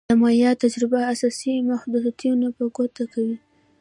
د مایا تجربه اساسي محدودیتونه په ګوته کوي.